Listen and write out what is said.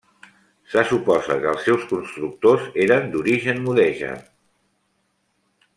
Se suposa que els seus constructors eren d'origen mudèjar.